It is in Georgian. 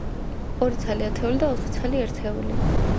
ორი ცალი ათეული და ოთხი ცალი ერთეული.